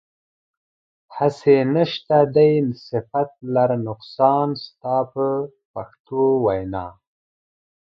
هسې نشته دی صفت لره نقصان ستا په پښتو وینا.